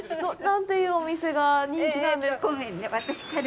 何というお店が人気なんですか。